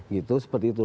gitu seperti itu